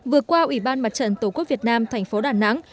vừa qua ủy ban mặt trận tổ quốc việt nam thành phố đà nẵng